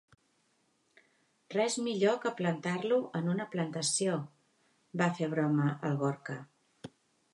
Res millor que plantar-lo en una plantació —va fer broma el Gorka.